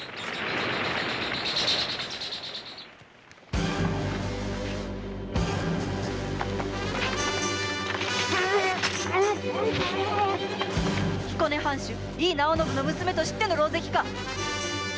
彦根藩主・井伊直惟の娘と知っての狼藉か！